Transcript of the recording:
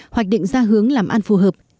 hoạch định ra hướng làm ăn phù hợp